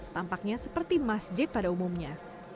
tampaknya seperti masjid pada umumnya